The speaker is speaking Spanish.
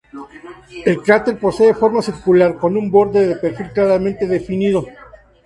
El cráter posee forma circular, con un borde de perfil claramente definido.